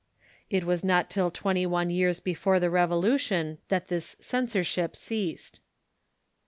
It was not till twenty one years before the Revolution that this censorship ceased.